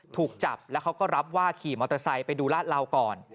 ถูกจับแล้วเขาก็รับว่าขี่มอเตอร์ไซค์ไปดูลาดเหลาก่อน